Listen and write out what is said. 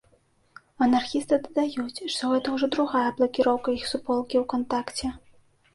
Анархісты дадаюць, што гэта ўжо другая блакіроўка іх суполкі ўкантакце.